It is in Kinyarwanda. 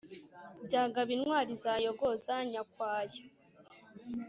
byagaba intwari zayogoza nyakwaya.